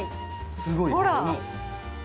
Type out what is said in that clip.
すごい。